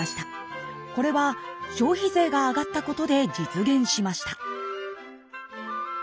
これは消費税が上がったことで実現しました。